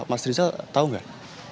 mas rizal tahu nggak